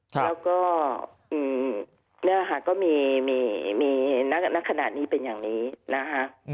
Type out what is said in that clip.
แล้วก็เนี่ยค่ะก็มีณขณะนี้เป็นอย่างนี้นะคะ